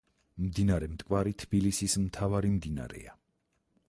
მდინარე "მტკვარი" თბილისის მთავარი მდინარეა.